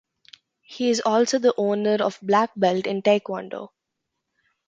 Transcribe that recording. He is also the owner of black belt in taekwondo.